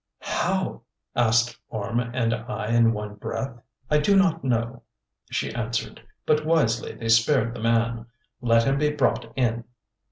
"How?" asked Orme and I in one breath. "I do not know," she answered, "but wisely they spared the man. Let him be brought in."